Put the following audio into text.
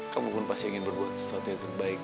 kamu pun pasti ingin berbuat sesuatu yang terbaik